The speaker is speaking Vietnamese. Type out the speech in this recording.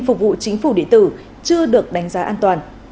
phục vụ chính phủ điện tử chưa được đánh giá an toàn